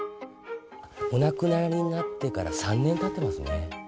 お亡くなりになってから３年たってますね。